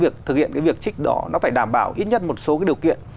thực hiện cái việc trích đó nó phải đảm bảo ít nhất một số điều kiện